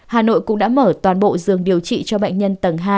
hà nội cũng đã mở toàn bộ giường điều trị cho bệnh nhân tầng hai